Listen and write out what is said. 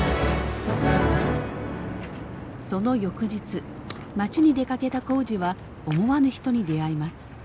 その翌日町に出かけた耕治は思わぬ人に出会います。